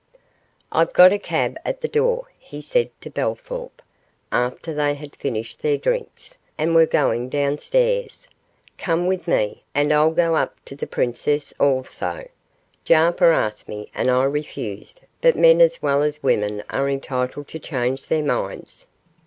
'I've got a cab at the door,' he said to Bellthorp, after they had finished their drinks, and were going downstairs; 'come with me, and I'll go up to the Princess also; Jarper asked me and I refused, but men as well as women are entitled to change their minds.